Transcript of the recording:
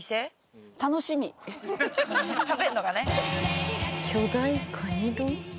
食べんのがね。